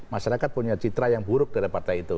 masyarakat punya citra yang buruk dari partai itu